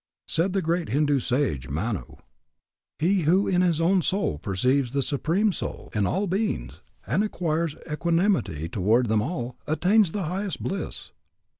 Said the great Hindu sage, Manu, He who in his own soul perceives the Supreme Soul in all beings, and acquires equanimity toward them all, attains the highest bliss.